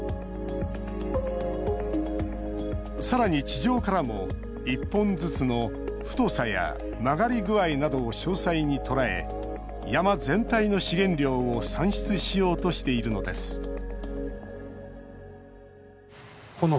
さらに地上からも１本ずつの太さや曲がり具合などを詳細に捉え山全体の資源量を算出しようとしているのですすごい。